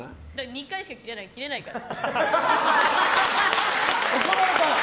２回しか切れないから切れないから。